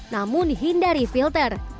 namun hindari filter